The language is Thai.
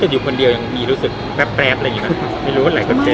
เจออยู่คนเดียวยังมีรู้สึกแป๊บแป๊บอะไรอย่างเงี้ยคะไม่รู้ว่าไหลคนเจ็บ